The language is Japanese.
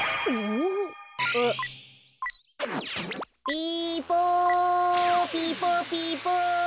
ピポピポピポ。